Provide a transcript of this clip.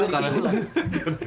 jangan ditiru lah